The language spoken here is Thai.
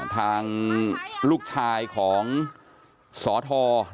ทางลูกชายของสอท